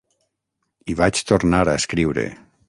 I vaig tornar a escriure.